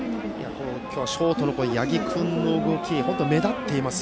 今日はショートの八木君の動きが目立っています。